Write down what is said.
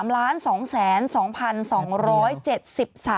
๑๓ล้าน๒แสน๒พัน๒ร้อย๗สิบ๓